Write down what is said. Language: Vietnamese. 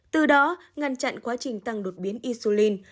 từ đó ngăn chặn quá trình tăng đột biến isolin